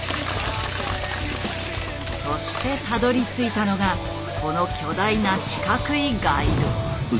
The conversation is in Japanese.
そしてたどりついたのがこの巨大な四角いガイド。